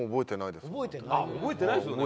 覚えてないですよね